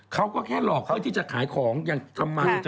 เขาก็แค่หลอกเพื่อที่จะขายของอย่างทำมา